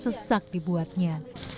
saya sesak dibuatnya